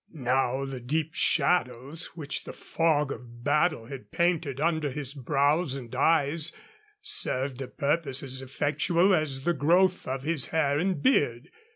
Now the deep shadows which the fog of battle had painted under his brows and eyes served a purpose as effectual as the growth of his hair and beard.